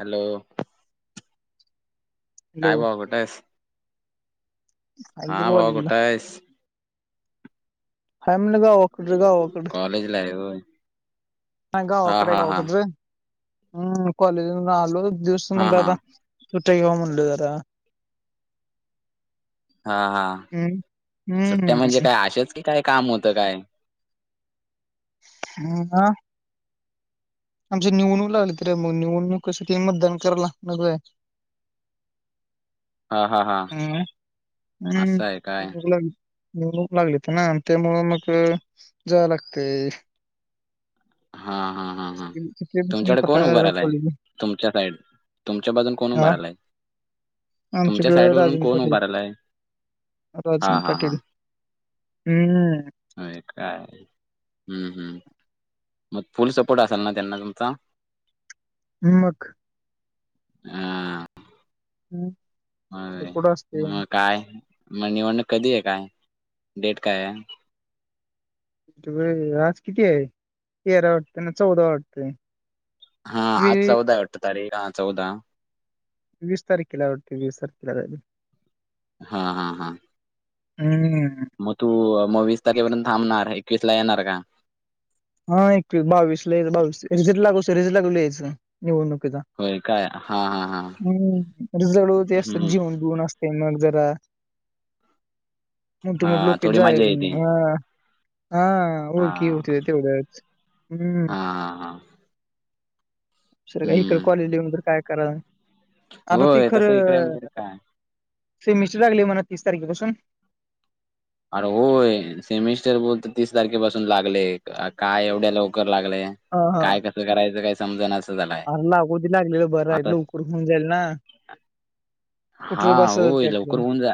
Hello! Hello काय भाऊ कुठे आहेस आहे आ की भावा कॉलेजला कुठ आहेस? हाय म्हणलं गावाकड, गावाकड आहे कॉलेजला आहे होय. र हा हा हा गावाकड! हम्म कॉलेजासन आलो दिवस हा म्हणलं हा आता सुट्ट्या घ्यावं म्हणल जरा आता. हा हा, हम्म सुट्ट्या हम्म म्हणजे काय असेच का काय काम होत काय? [inaudible] आमच्या हित निवडणूक लागलेत रे मग निवडणूकसं ते मग मतदान करायला नको होय. हा हा हां हा हम लागली होती ना त्यामुळे मग जाव लागते हा हा हा हा किती तुमच्याकडे कोण उभा कटाळा राहिलाय कॉलेज तुमच्या साईड तुमच्या बाजून कोण हा उभा राहिलाय तुमच्या आमच्याकडे साईड वरून राजन कोण पाटील उभारलाय हा राजन हा हा पाटील हम्म! हो काय, ह ह्! मग फुल सपोर्ट असाल ना त्यांना तमचा? मग आ [unintelligible] अ तो पुढं असते मग काय मग निवडणूक कधी आहे काय डेट काय आहे? य आज किती आहे तेरा वाटतं ना चौदा वाटतं हा आज चौदा आहे वाटत तारीख हा चौदा वीस तारखेला आहे वाटते वीस तारखेला हा हा हा हम्म मग तू मग वीस तारखेपर्यंत थांबणार एकवीस ला येणार का? हा एकवीस बावीसला यायच बावीस रेझ्लट लागू स रेजट लागू यायचं निवडणुकीचा होय काय हा हा हा हम्म जळव ते असतात हम्म जेवन बवन असत ते मग जरा मोठे हा मोठे लोक थोडी जाय मजा येते ह हा हा ओळखी होतीय तेवढच हम्म हा हा हा सर का इकडे हम्म कॉलेजली येऊन तर काय करा आता ते होय तसं इकडे खरं आमच्याकडे काय सेमिस्टर लागली म्हणा तीस तारखेपासून अरे होय सेमिस्टर बोल तर तीस तारखेपासून लागलेय काय एवढ्या लवकर लागलेय काय कसं करायचं काय समजनाच अ लागूती लागलेलं बरं इल लवकर होऊन जाईल ना हा कुठं बसायचं होय लवकर होऊन जा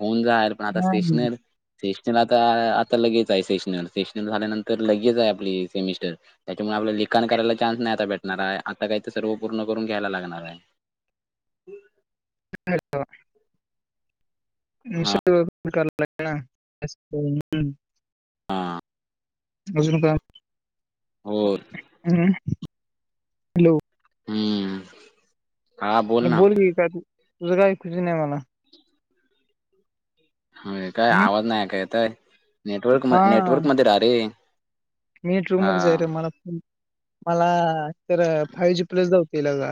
होऊन जाल आता त्यातलं स्टेशनर सेशनर आता आता लगेच आहे सेशनर सेशनर झाल्यानंतर लगेच आहे आपली सेमिस्टर त्याच्यामुळे आपलं लिखान करायला चान्स नाही आता भेटणार आहे आता काही ते सर्व पूर्ण करून घ्यायला लागणार आहे [inaudible] हा क ला [unintelligible] हा अजून का हो हम हॅलो हम्म हा अरे ना बोल काय तू तुझं काय ऐकूच येत नाही मला हो काय हम्म? आवाज नाही का येतय नेटवर्क म नेटवर्क मध्ये रा र मीट रूममध्येच आहे रे मला मला तर फायव जी प्लस लावतेलग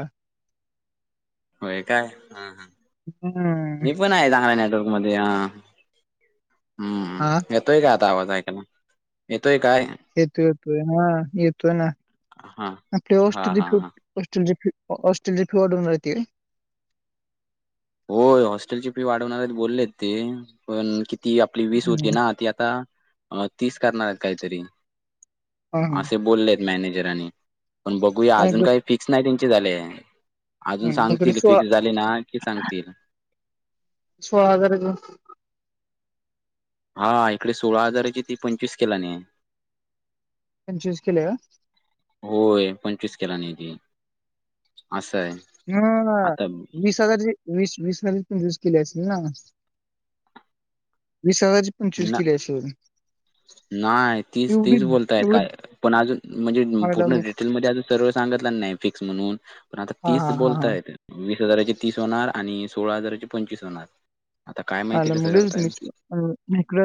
होय काय ह ह हम्म. मी पण आहे चांगला नटो मधे आ ह हम् हा येतोय का आता आवाज ऐकायला येतोय काय येतो येतोय हा येतोय ना हा हा आपडे औष हा हा हॉस्टेलची फी हॉस्टेलची फी वाढवणारती होय हॉस्टेल ची फी वाढवणार आहेत बोललेत ते पण किती आपली वीस हम्म. होती ना ती आता तीस करणार आहेत काहीतरी हा हा असे बोलले आहेत मॅनेजरांनी पण बघूया आणि अजून इकडे काही फिक फिक्स नाई तेंच झाले अजून हम्म. इकडे सांगतील सोळा फिक्स झाले ना की सांग सोळा हजार हा इकडे सोळा हजाराची ती पंचवीस केला नाही त्यां चूज केलय का? होय पंचवीस केलानीेत असं आहे. हम आता वीस हजारची वीस वीस हज पणूज केली असेल ना वीस हजार चूज ना केली असतील नाही तीच तीच बोलताय एवढी काय पण अजून म्हणजे आयला पूर्ण मग डिटेलमध्येध्ये अजून सर्व सांगितला नाही फिक्स म्हणून पण आता हा तीस हा हा हा बोलतायत वीस हजाराचे तीस होणार आणि सोळा हजाराचे पंचवीस होणार आता काय माहिती कसं करताई क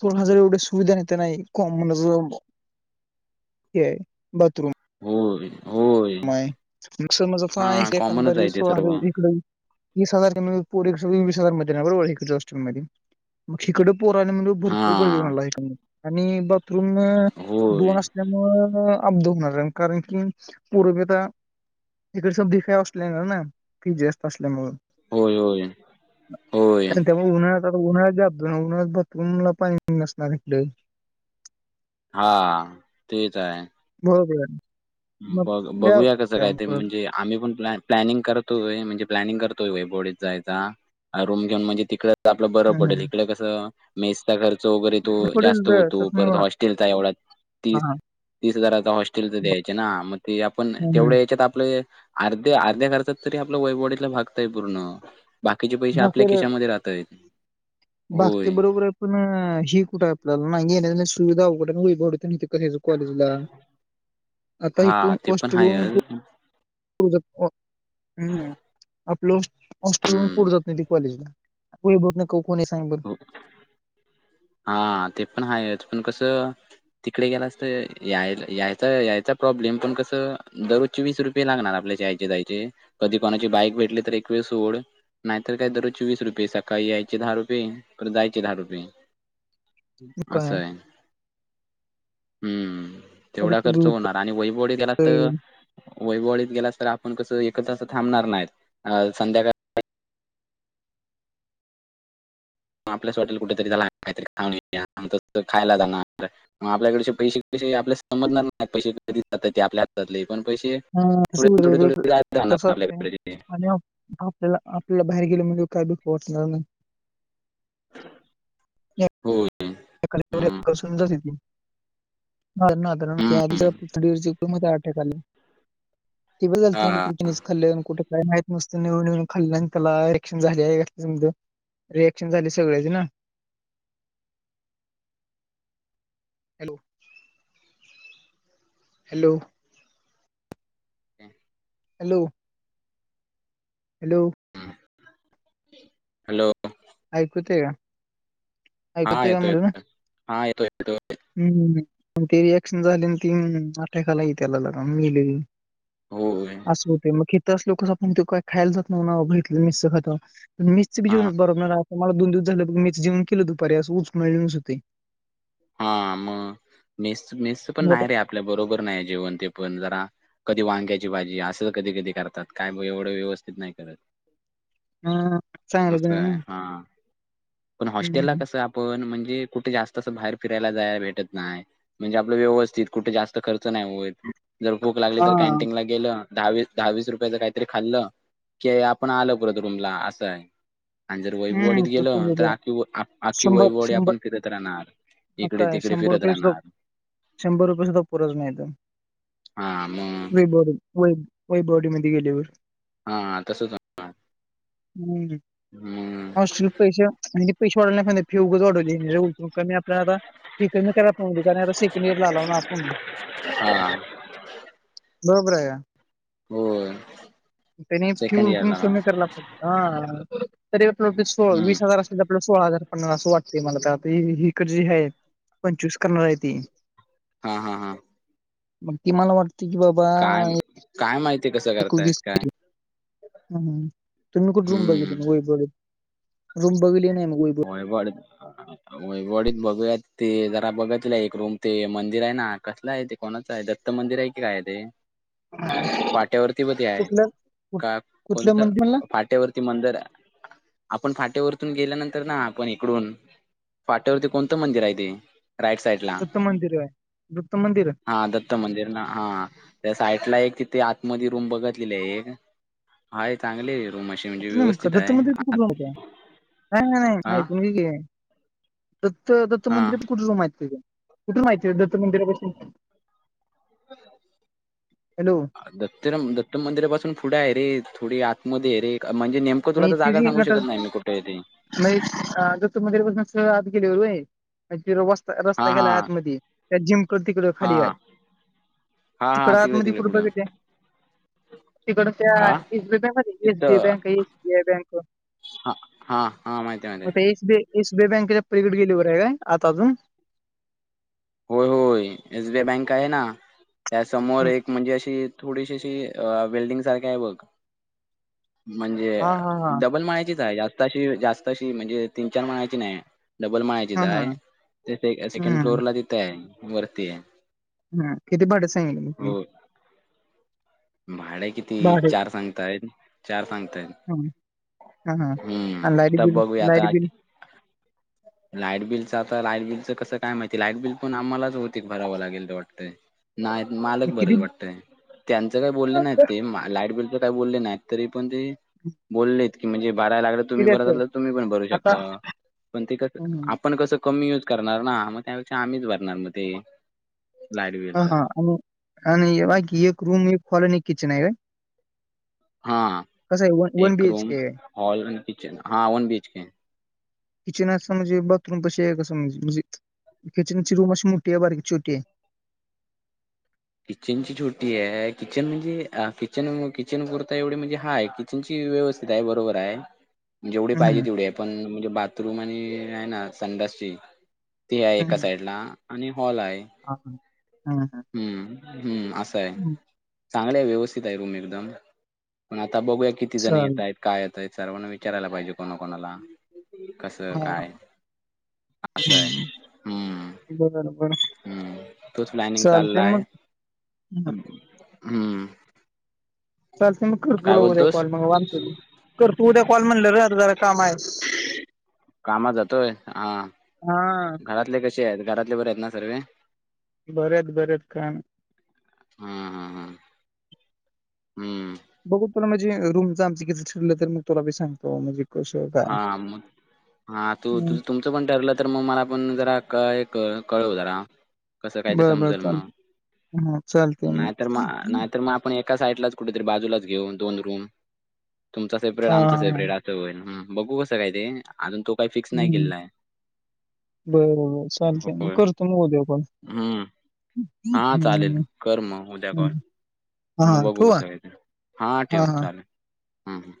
सोळा हजार एवढे सुविधा नाहीेत नाही कॉम म्हण ह बाथरूम होय. होय मय मग सर हा मजा कॉमनच कबरी आहे ते सो सर्व इकडे वीस हजार वीस हजार मध्ये बरोबरध्ये मग हिकडं पोराला म्हणजे हा भरपूर गरदी होणारला आणि बाथरूम होय दोन त्या मुळे अब्दु होणार आहे कारण की, पूर्पता इकडे स दिखाय असल्या ना की जास्त असल्यामुळ.. होय होय होय उन्हाळ्या आता उन्हाळ्या जाब उन्हा्यात बाथरूमला पाणी नसणार इकडे हा तेच आहे बरोबर मग बघ बघूया कसं काय व्यायाम ते परत म्हणजे, आम्ही पण प प्लॅिंग करतोय म्हणजे प्लॅनिंग करतोयय बोडीत जायचा रूम घेऊन म्हणजे तिकडं आपलं बरं हम्म पडेल हम्म. इकड कसं मेसचा खर्च वगैरे तो वर पडेल जास्त ज- होतो तसं परत नव्ह. हॉस्टेलचा एवढा ती हा तीस हजाराचा हॉस्टेल तर द्यायचे ना मग ते आपण हम्म हम्म. तेवढ्या याच्यात आपलं अर्ध्या अर्ध्या खर्चात तरी आपलं वय बॉडीला भागतय पूर्ण बाकीचे पैसे आपल्या खिशामध्ये राहतय. बागते बरोबर पण ही कुठं आपल्याला नाही येण्या सुविधा उघडड क कॉलेज आता हा इथून ते पण हाय म्म आपलं हॉस्टेल पुढ हम्म जात नाही त कॉलेजला बघ कोणी सां हा ते पण हा पण कसं तिकडे गेलास तर यायला यायचा यायचा प्रॉब्लेम पण कसं दररो पंचवीस रुपये लागणार आपल्या जा यायचे जायचे कधी कोणाची बाईक भेटली तर एकवीस सोड नाहीतर काय दर चोस रुये सकाळी याचे दहा रु तर जायचे दहा रुपये मग काय असंय हम्म तेवढा परत खर्च होणार आणि वैवडी गेला तर वैवळीत गेलास तर आपण कस एकत्र थांबणार नाहीत संध्याकाळी आपल्याच हॉटेल कुठेतरी झाला काहीतरी खा खायला जाणार मग आपल्याकडचे पैसे कैसे आपल्या समजणार नाही पैसे कधी जातात ते आपल्या हातातले पण पैसे हम थोडे थोडे थोडे जात कसं राहणार असते आपल्याकडे ते. आपल्याला आपल्याला बाहेर गेल म्हणजे काय दुख वाटणार नाही. हो सुर ना अटक हम्म. आ ते हा बघृ खल्ल्या कुठे काय माहत नसतं ननन खल्ल्याण त्याला रक्शन झाले आहे. रिएक्शन झाले सगळेच ना hello hello hello hello hello. ऐकूते का. हा ऐकूते येतो येतोय हा येतो येतो. हम् ते रिॲक्शन झाले आणि ती आटाकाला त्याला लगेले होय असं होते मग तरस लोकस आप ते काही खायला जात नव्ह ना बघितलं मिस खात मीच हा जीवण बबणार असं मला दोन दिवस झा मीच जव केलं दुपारी असं उच मिळस होते. हा मग मेस् मेस्त पण मग आता नाही रे आपल्या बरोबर नाही जेवण ते पण जरा कधी वांग्याची भाजी असं कधी कधी करतात काय एवढं व्यवस्थित नाही करत. हा चांगलं तु असं आहे ना. हा पण हं, हॉस्टेलला हं. कसं आपण म्हणजे कुठे जास्त असं बाहेर. फिरायला जायला भेटत नाही, म्हणजे आपलं व्यवस्थित कुठे जास्त खर्च नाही होईल. जर भूक लाली तर हां. कॅनटीन लाग गेलं दहावीस दहावीस रुपयाच काहीतरी खाल्लं की आपण आलं परत रूमला असं आहे. आणि जर वैभवडीत हं, गेल तसं तर बरोबर आहे. आखी आखी वैभवडी आपण फिरत राहणार. इकडे काय तिकडे शंभर फिरत रुपये सुद्धा राहणार शंभर रुपये सुद्धा पुरच नाहीत. हा मग. वय वैभववाडी मध्ये गेलेवर हा तसच हम्म हम्म. ह पैसे पैसेडला [unintelligible] कमी आपल्याला आता फ कमी करा पिकणी आता शेकणीर लालाव ना आपण हा बरोबर आहे या. होय त्यानी क्यू सेकंड उटून इयरला कमी कराला पाहिजे हा तरी आपल्या सोळा हम्म वीस हजार असल तर आपला सोळा हजार पन्ना असं वाटत मला तर हीक जी आहे. पंचवीस करणार ती. हा, हा, हा. मग ति मला वाटते की बा काय, काय माहिती कसं करतायेत काय ह तु मी कुठ रूम बघली हम्म मग वई रूम, बघली नाही मग वईब होय बड वैभव वाडी बघूया ते जरा बघत तला एक रूम ते मंदिर आहे ना, कसलं आहे ते कोणाच आहे? दत्त मंदिर आहे की काय ते ह [inaudible] फाट्यावरती ब आहे का कुठलं कोणतं मंदिर म्हणला फाट्यावरती त मंदर आपण फाट्यावररतून गेल्यानंतर तर ना आपण इकडून फाट्यावरती कोणतं मंदिर आहे ते राईट साईड ला दत्त मंदिर, दत्त मंदिर हाय. हा दत्त मंदिर ना हा त्या साईडला एक तिथे आत मध्ये रूम बघतलेला आहे एक हाय चांगले आहे रूमशी. कुठे नाही कदत मध्ये कुठे नाही हा ऐकून घे की. दत्त दत्त हा मंदिर पण कुठे माहित कुठे माहती आहे दत्त मंदिरापासून. हॅलो अ [inaudible] तर दत्त मंदिरापासून पुढे आहे रे थोडी आतमध्ये रे म्हणजे नेम तुला तर जागा सांगू शकत नाही कुठेत नाहीत दत्त मंदिर पासून आ गेलीवरय स्ता रस्ता हा हा गेला आत म त्या जिम क तिकडे हा खाली आहे. हा तिकड हा आत तिकडे म तिकडे कुठ पुढं बघते तिकड त्या आ एसबी बँक एसबीआय तिथं बँक आहेस. हा हा हा माहिती आहे माहिती आहे bank S B S B बँकेच्या पलीकडडे गेलीवर आहे काय आता अजून. होय होय एस बीआय बँक आहे ना त्यासमोर एक म्हणजे अशी. थोडीशी अशी वेल्डिंग सारखे आहे बघ. म्हणजे हा हा हा डबल माणायचीच आहे. जास्त अशी जास्त अशी म्हणजे तीन चार माणायची नाही. डबल मायाचीच हा हा आहे, ते सेकंड हम्म फ्लोअरला तिथे आहे वरती आहे. हा किती भड सांग मी ती हो भाडे किती भाडे चार सांगताय, चार सांगताय. हम्म हा हा आणि हम्म लाईट तब बिल बघ लाईट आता. बिल लाईट बिलच आता लाईट बिलच कसं काय माहिती लाईट बिल पण आम्हालाच होते भरावं लागेल ते वाटतय. नाही मालक किती भरेल वाटतय. ते काही बोलले नाहीत ते लाईट बिल काही बोलले नाहीत तरी पण ते बोललेत की म्हणजे बाराला लाग. तुम्ही किती भरत असं अस तर तुम्ही पण भरू आता शकता पण ते कस आपण कसं. कमी युज करणार ना मग त्यापेक्षा आम्हीच भरणार मग ते. लाईट ह बिलचा हा आणि, आणि बग एक रूम, एक कॉलनी एक किचन आहे काय. हा [inaudible] कस आहे व वन एक बीएच रूम के आहे. हॉल आणि किचन हां one B H K. Kitchen अस म्हणजे बाथरूम कशी आहे काजे म्हणजे किचनची रूम अशी मोठी आहे बारकी छोटी आहे. किचन ची छोटी आहे किचन म्हणजे किचन किचन कुर्ता एवढी म्हणजे हाय कि. त्यांची व्यवस्थित आहे बरोबर आहे. जेवढे पाहिजे हम्म, तेवढे पण म्हणजे बाथरूम आणि आहे ना संडसची. ते आहे एका साइड ला आणि हॉल आहे. ह हा हा हा. हम्म हम्म असं आहे‌. चांगले आहे व्यवस्थित आहे रूम एकदम पण आता बघूया किती जण चाल येत आहेत. काय येतय सर्वांना विचारायला पाहिजे कोणाकणाला. कस हा हा, काय अस आहे हम्म. बर बर. हम्म तोच प्लानिंग चालला आहे हं. हम्म. चालत मग कर काय तुला उद्या बोलतोस कॉल मगत करतू उद्या कॉल म्हणलं र अर जरा काम आहे. कामात जातोय हा हा घरातले कसे आहेत घरातले बरे आहेत ना सर्वे. बरच बरच काम. हम हम हम हम्म. बघू तुला म्हणजे रूमचं आमच कितीं ठरलं तर मी तुलाी सांगतो म्हणजे. कसं काय हा मग हा तू तुझ हम्म. तु. पण ठरलं तर मग मला पण जरा कळव जरा. कसं कायच बरं बरं समजल मग चालते हा चालते नाहीतर मग नाहीतर मग. आपण एका साईडलाच कुठेतरी बाजूलाच घेऊ दोन रूम तुमचा सेपरेट हा हा आमचा हा. सेपरेट आहे. बघू कसं काय ते अजून तो काही फिक्स नाही केलेला आहे. बर बर चालते मग करतो मग उद्या पण. हम्म, हा चालेल कर मग उद्या कॉल. हम्म. हा मू हा बघू ठेवू का? बसायच हा ठेव चालेल हम ह.